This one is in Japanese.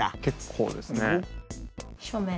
結構ですね。